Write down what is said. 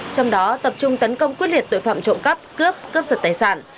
trong đó tập trung tấn công quyết liệt tội phạm trộm cắp cướp cướp giật tài sản